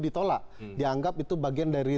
ditolak dianggap itu bagian dari